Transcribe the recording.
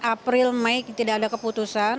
april mei tidak ada keputusan